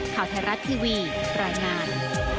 ข่าวไทยรัฐทีวีรายงาน